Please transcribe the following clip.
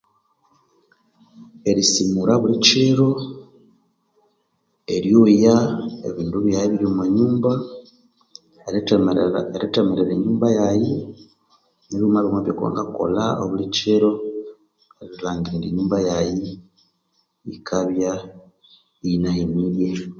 Erisumura obulhikinduobulhikindu eryoya neriminya indi enyumba yinehenerye